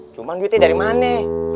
cuman duitnya dari mana